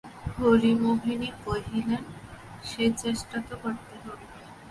হরিমোহিনী কহিলেন, সে চেষ্টা তো করতে হবে।